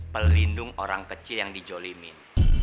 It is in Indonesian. pelindung orang kecil yang dijolimin